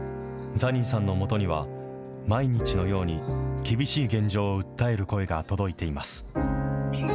ザニーさんのもとには、毎日のように、厳しい現状を訴える声が届いています。